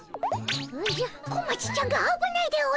おじゃ小町ちゃんがあぶないでおじゃる。